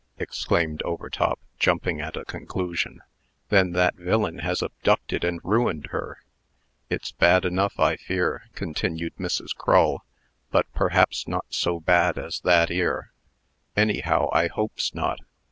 exclaimed Overtop, jumping at a conclusion. "Then that villain has abducted and ruined her." "It's bad enough, I fear," continued Mrs. Crull; "but perhaps not so bad as that 'ere. Anyhow, I hopes not.